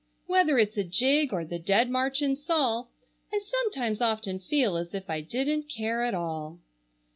Whether it's a jig or the Dead March in Saul, I sometimes often feel as if I didn't care at all.